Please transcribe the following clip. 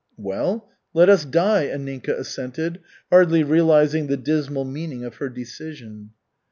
"Well let us die," Anninka assented, hardly realizing the dismal meaning of her decision.